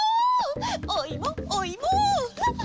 おいもおいも！